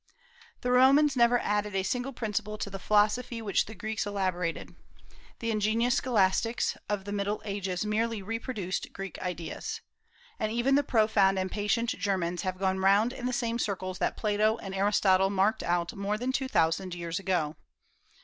The Romans never added a single principle to the philosophy which the Greeks elaborated; the ingenious scholastics of the Middle Ages merely reproduced Greek ideas; and even the profound and patient Germans have gone round in the same circles that Plato and Aristotle marked out more than two thousand years ago.